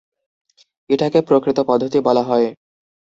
এটাকে "প্রকৃত" পদ্ধতি বলা হয়।